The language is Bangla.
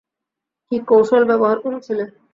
কী কৌশল ব্যবহার করেছিলে?